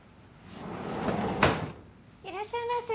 いらっしゃいませ。